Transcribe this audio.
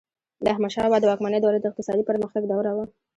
د احمدشاه بابا د واکمنۍ دوره د اقتصادي پرمختګ دوره وه.